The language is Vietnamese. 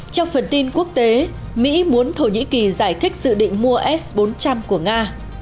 trong phần tin quốc tế mỹ muốn thổ nhĩ kỳ giải thích dự định mua s bốn trăm linh của nga